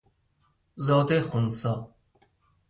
زاد خنثی